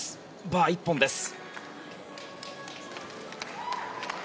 バー１本です。